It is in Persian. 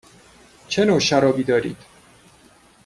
چه نوع شرابی دارید؟